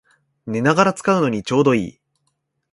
寝ながら使うのにちょうどいい